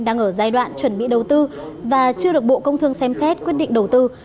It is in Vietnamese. đang ở giai đoạn chuẩn bị đầu tư và chưa được bộ công thương xem xét quyết định đầu tư